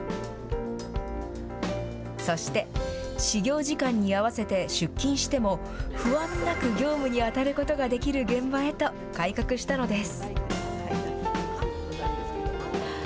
そして、始業時間に合わせて出勤しても、不安なく業務に当たることができる現場へと改革したのです。